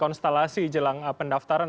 konstelasi jelang pendaftaran